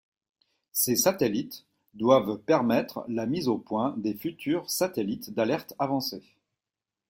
Ces satellites doivent permettre la mise au point des futurs satellites d'alerte avancée.